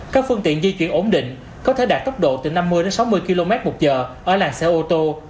các phương tiện di chuyển ổn định có thể đạt tốc độ từ năm mươi sáu mươi kmh ở làng xe ô tô